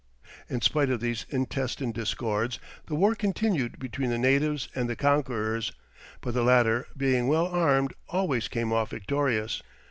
In spite of these intestine discords, the war continued between the natives and the conquerors, but the latter being well armed always came off victorious.